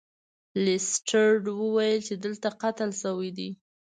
لیسټرډ وویل چې دلته قتل شوی دی.